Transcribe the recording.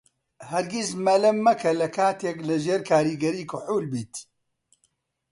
هەرگیز مەلە مەکە لە کاتێک لەژێر کاریگەریی کحوول بیت.